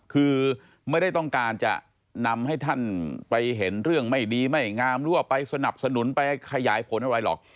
คือไม่ได้ต้องการจะนำให้ท่านไปเห็นเรื่องไม่ดีไม่งามหรือว่าไปสนับสนุนไปขยายผลอะไรหรอก